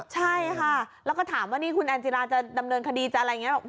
ใช่ค่ะแล้วก็ถามว่านี่คุณแอนจิราจะดำเนินคดีจะอะไรอย่างนี้